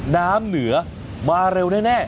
น้ำเหนือมาเร็วแน่